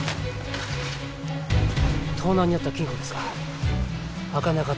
盗難に遭った金庫ですか？